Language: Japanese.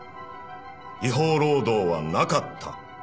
違法労働はなかった。